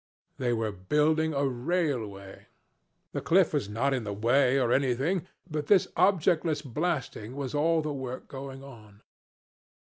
They were building a railway. The cliff was not in the way or anything; but this objectless blasting was all the work going on.